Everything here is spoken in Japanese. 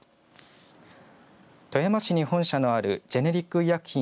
富山市に本社があるジェネリック医薬品